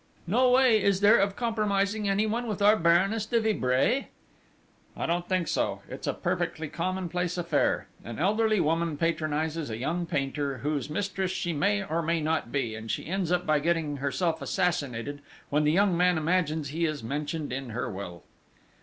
"No way, is there, of compromising anyone with our Baroness de Vibray?" "I don't think so! It's a perfectly common place affair. An elderly woman patronises a young painter, whose mistress she may or may not be, and she ends up by getting herself assassinated when the young man imagines he is mentioned in her will."